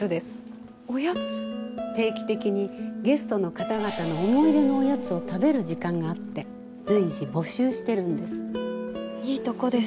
定期的にゲストの方々の思い出のおやつを食べる時間があって随時募集してるんです。